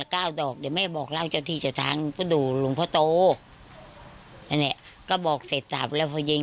ก็ไม่ถึงบ้าน